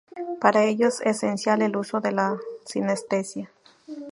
Para ello es esencial el uso de la sinestesia.